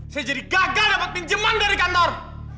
saya jadi gagal mendapat pinjaman dari kantor